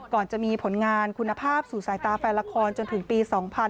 ก่อนจะมีผลงานคุณภาพสู่สายตาแฟนละครจนถึงปี๒๕๕๙